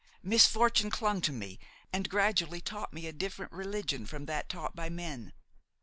Misfortune clung to me and gradually taught me a different religion from that taught by men.